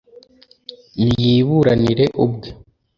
niyiburanire ubwe